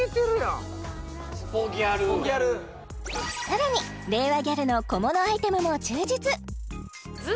さらに令和ギャルの小物アイテムも充実